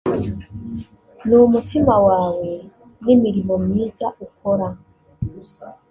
ni umutima wawe n’imirimo myiza ukora